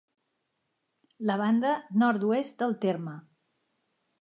La banda nord-oest del terme.